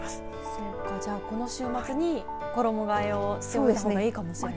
そうか、じゃあこの週末に衣がえをしといたほうがいいかもしれない。